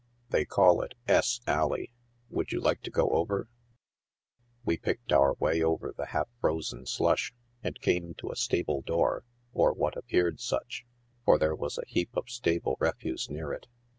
They called it S Alley. Would you like to go over ?" We picked our way over the half frozen slush, and came to a sta ble door, or what appeared such, for there was a heap of stable re fuse near it.